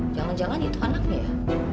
jangan jangan itu anaknya ya